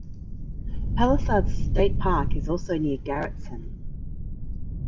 Palisades State Park is also near Garretson.